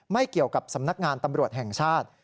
ไม่เกี่ยวกับสำนักงานตำรวจแห่งชาติ